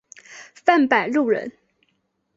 范百禄人。